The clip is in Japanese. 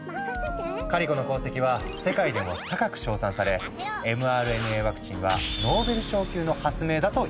カリコの功績は世界でも高く賞賛されｍＲＮＡワクチンは「ノーベル賞級の発明！」だといわれている。